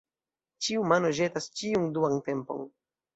Ĉiu mano ĵetas ĉiun duan tempon.